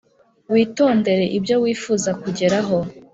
witondere ibyo wifuza kugeraho